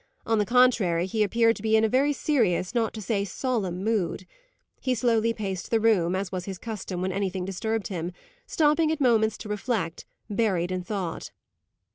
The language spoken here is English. On the contrary, he appeared to be in a very serious, not to say solemn mood. He slowly paced the room, as was his custom when anything disturbed him, stopping at moments to reflect, buried in thought.